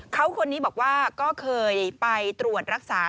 เขาคนนี้บอกว่าก็เคยไปตรวจรักษา